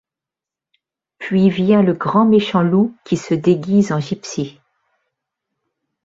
Puis vient le grand méchant loup qui se déguise en gypsy.